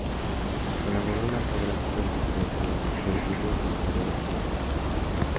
Colaboró en las obras históricas colectivas "Mujeres Libres" y "Luchadoras Libertarias".